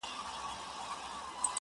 o ډېري خبري د کتاب ښې دي٫